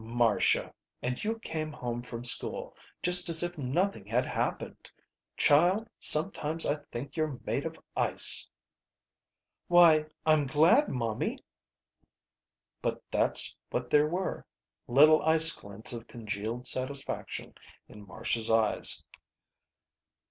Marcia! and you came home from school just as if nothing had happened! Child, sometimes I think you're made of ice." "Why, I'm glad, momie." But that's what there were, little ice glints of congealed satisfaction in Marcia's eyes.